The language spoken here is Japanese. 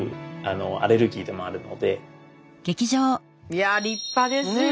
いや立派ですよ